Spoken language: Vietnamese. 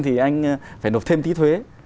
thì anh phải nộp thêm tí thuế